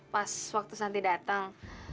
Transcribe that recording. pas waktu santi datang